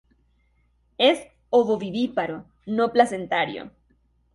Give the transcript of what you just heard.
Es ovovivíparo no placentario.